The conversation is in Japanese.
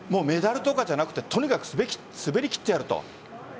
メダルとかじゃなくてとにかく滑りきってやると。